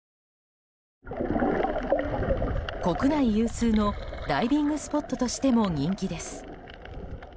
国内有数のダイビングスポットとしても人気です。